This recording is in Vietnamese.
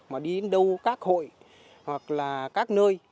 mà đi đến đâu các hội hoặc là các nơi